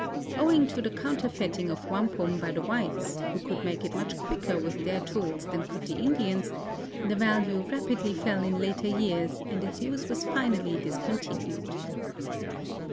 Owing to the counterfeiting of wampum by the whites, who could make it much quicker with their tools than could the Indians, the value rapidly fell in later years and its use was finally discontinued.